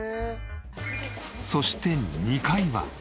そして２階は。